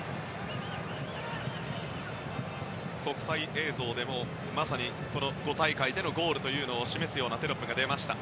国際映像でも、まさに５大会連続のゴールを示すようなテロップが出ました。